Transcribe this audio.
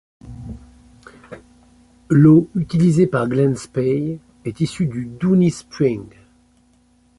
L'eau utilisée par Glen Spey est issue du Doonie Spring.